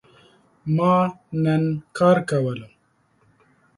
ما نن کار کولو